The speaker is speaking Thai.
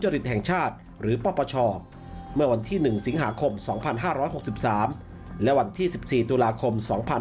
และวันที่๑สิงหาคม๒๕๖๓และวันที่๑๔ตุลาคม๒๕๖๔